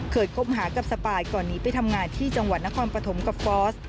คบหากับสปายก่อนหนีไปทำงานที่จังหวัดนครปฐมกับฟอส